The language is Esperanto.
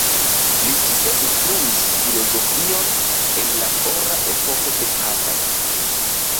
Li tie instruis filozofion en la ora epoko de Harvard.